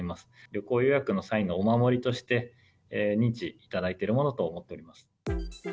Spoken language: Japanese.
旅行予約の際のお守りとして、認知いただいているものと思っています。